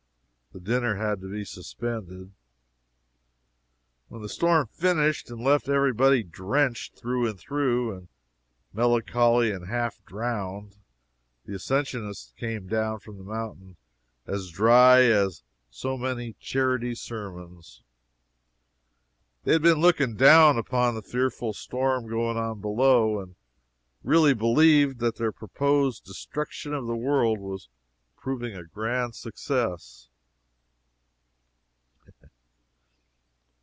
The dinner had to be suspended. When the storm finished and left every body drenched through and through, and melancholy and half drowned, the ascensionists came down from the mountain as dry as so many charity sermons! They had been looking down upon the fearful storm going on below, and really believed that their proposed destruction of the world was proving a grand success.